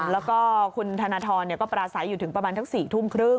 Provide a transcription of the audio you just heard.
แล้วก็คุณธนทรก็ปราศัยอยู่ถึงประมาณทั้ง๔ทุ่มครึ่ง